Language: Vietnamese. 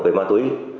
về ma túy